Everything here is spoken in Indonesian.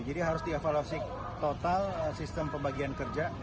jadi harus dievaluasi total sistem pembagian kerja